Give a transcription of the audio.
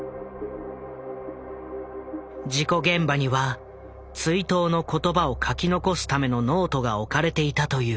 事故現場には追悼の言葉を書き残すためのノートが置かれていたという。